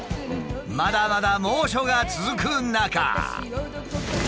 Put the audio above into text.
まだまだ猛暑が続く中。